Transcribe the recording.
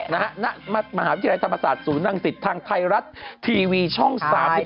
ณมหาวิทยาลัยธรรมศาสตร์ศูนย์รังสิตทางไทยรัฐทีวีช่อง๓๒